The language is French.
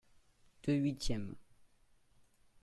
Deux huitièmes.